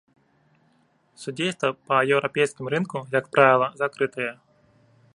Судзейства па еўрапейскім рынгу, як правіла, закрытая.